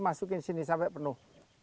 masukin sini sampai penuh